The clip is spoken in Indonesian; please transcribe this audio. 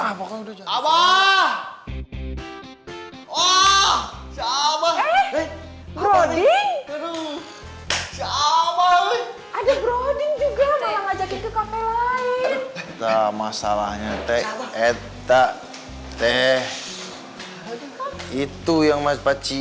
ada broding juga malah ngajakin ke kafe lain masalahnya teh eh tak teh itu yang masih paci